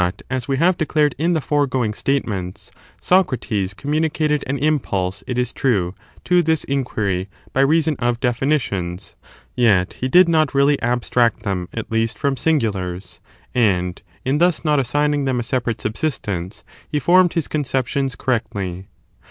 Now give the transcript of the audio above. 3S7 we have declared in the foregoing statements, Socrates com municated an impulse, it is true, to this inquiry, by reason of definitions, yet he did not really abstract them, at least, from singulars; and, in thus not assigning them a separate subsistence, he formed his conceptions correctly.